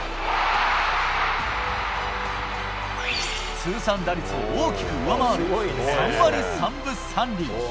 通算打率を大きく上回る３割３分３厘。